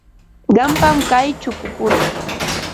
Qampam kay chukukuna.